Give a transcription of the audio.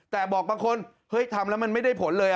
แต่บอกบางคนเฮ้ยทำแล้วมันไม่ได้ผลเลย